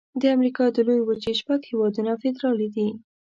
د امریکا د لویې وچې شپږ هيوادونه فدرالي دي.